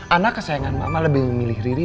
anak kesayangan mama lebih memilih riri